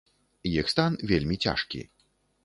Іх стан вельмі цяжкі.